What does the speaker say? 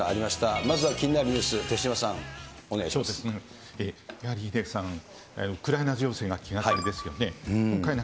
まずは気になるニュース、やはりヒデさん、ウクライナ情勢が気がかりですよね。